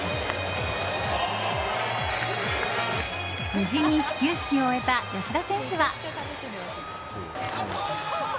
無事に始球式を終えた吉田選手は。